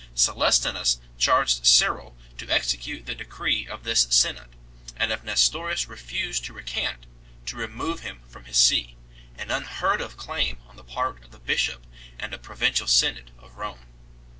Celestinus charged Cyril to execute the decree of this synod, and if Nestorius refused to recant, to remove him from his see 2 an unheard of claim on the part of the bishop and a provincial synod of Rome.